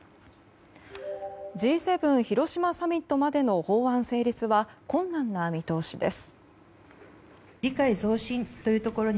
Ｇ７広島サミットまでの法案成立は困難な見通しです。